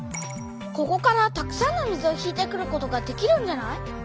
ここからたくさんの水を引いてくることができるんじゃない？